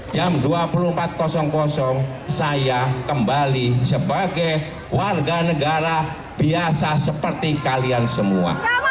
jam dua puluh empat saya kembali sebagai warga negara biasa seperti kalian semua